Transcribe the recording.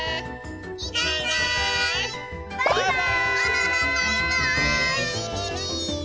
バイバーイ！